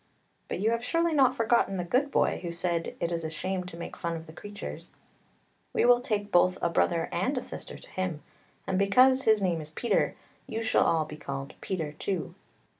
But you have surely not forgotten the good boy, who said, ' It is a shame to make fun of the creatures !' We will take both a brother and a sister to him, and because his name is Peter, you shall all be called Peter too."